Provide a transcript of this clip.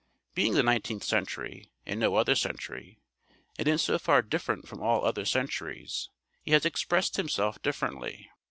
Being the nineteenth century and no other century, and in so far different from all other centuries, he has expressed himself differently.